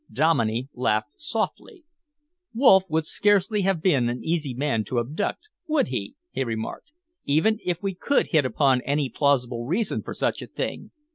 Dominey laughed softly. "Wolff would scarcely have been an easy man to abduct, would he," he remarked, "even if we could hit upon any plausible reason for such a thing!